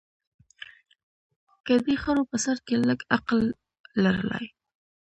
که دې خرو په سر کي لږ عقل لرلای